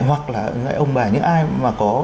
hoặc là người ông bà những ai mà có